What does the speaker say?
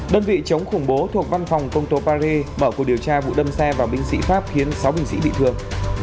đơn vị chống khủng bố thuộc văn phòng công tố paris mở cuộc điều tra vụ đâm xe vào binh sĩ pháp khiến sáu binh sĩ bị thương